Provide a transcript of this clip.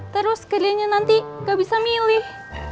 terus kerjanya nanti gak bisa milih